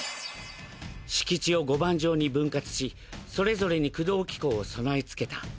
敷地を碁盤状に分割しそれぞれに駆動機構を備えつけた。